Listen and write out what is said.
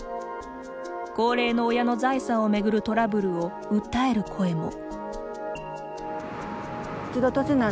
高齢の親の財産を巡るトラブルを訴える声も。